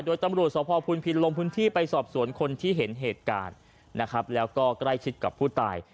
โดยตำรวจสภพูนพินลงพื้นที่ไปสอบสวนคนที่เห็นเหตุการณ์นะครับแล้วก็ใกล้ชิดกับผู้ตาย